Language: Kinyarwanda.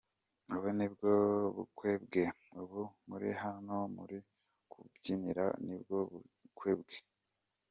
Ubu nibwo bukwe bwe, ubu muri hano muri kumubyinira, nibwo bukwe bwe.